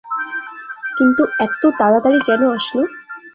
কিন্তু এত্ত তাড়াতাড়ি কেনো আসলো?